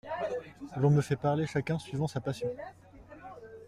L'on me fait parler chacun suivant sa passion.